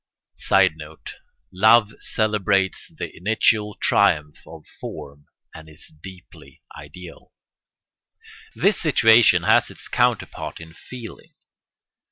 [Sidenote: Love celebrates the initial triumph of form and is deeply ideal.] This situation has its counterpart in feeling.